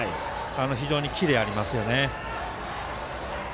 非常にキレありますよね。